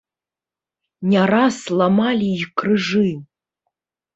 Не раз ламалі і крыжы.